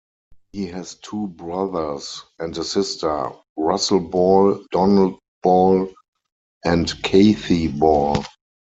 He has two brothers and a sister: Russell Ball, Donald Ball and Cathie Ball.